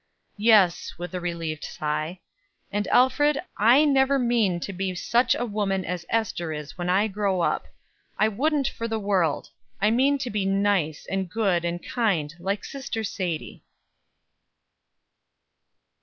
"Yes," with a relieved sigh; "and, Alfred, I never mean to be such a woman as Ester is when I grow up. I wouldn't for the world. I mean to be nice, and good, and kind, like sister Sadie."